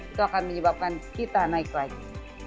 itu akan menyebabkan kita naik lagi